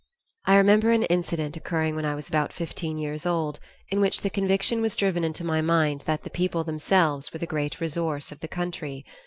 I remember an incident occurring when I was about fifteen years old, in which the conviction was driven into my mind that the people themselves were the great resource of the country.